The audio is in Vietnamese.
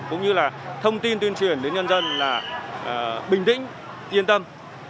cũng như là thông tin tuyên truyền đến nhân dân là bình tĩnh yên tâm